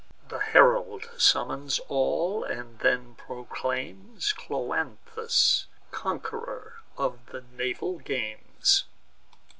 The herald summons all, and then proclaims Cloanthus conqu'ror of the naval games.